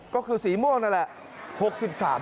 ก็คือสีม่วงนั่นแหละ